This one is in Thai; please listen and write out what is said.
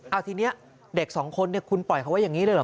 เอาทีนี้เด็กสองคนคุณปล่อยเขาไว้อย่างนี้เลยเหรอ